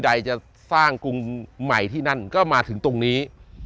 ใดจะสร้างกรุงใหม่ที่นั่นก็มาถึงตรงนี้